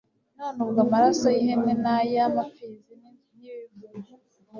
None ubwo amaraso y ihene n ay amapfizi n ivu